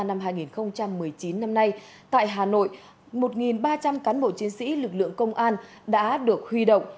năm hai nghìn một mươi chín năm nay tại hà nội một ba trăm linh cán bộ chiến sĩ lực lượng công an đã được huy động